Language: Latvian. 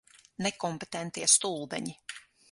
Nekompetentie stulbeņi.